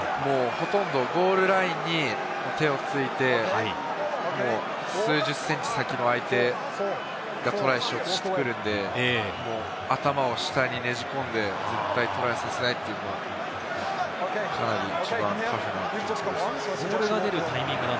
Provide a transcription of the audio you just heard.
ほとんどゴールラインに手をついて、数十ｃｍ先の相手がトライしようとしてくるんで、頭を下にねじ込んで、絶対トライさせないという、かなり一番タフな状況です。